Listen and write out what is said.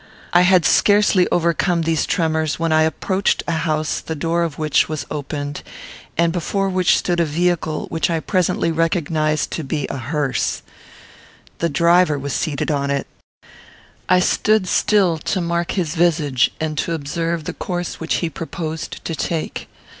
I had scarcely overcome these tremors, when I approached a house the door of which was opened, and before which stood a vehicle, which I presently recognised to be a hearse. The driver was seated on it. I stood still to mark his visage, and to observe the course which he proposed to take.